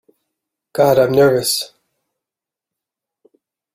God, I'm nervous!